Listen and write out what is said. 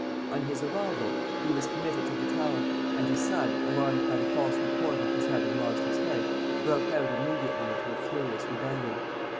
On his arrival, he was committed to the Tower, and his son, alarmed by the false report of his having lost his head, broke out immediately into a furious rebellion.